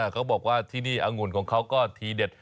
เขาบอกว่าที่นี่อังุ่นของเขาก็ทีเด็ด